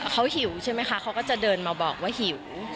เขาหิวใช่ไหมคะเขาก็จะเดินมาบอกว่าหิว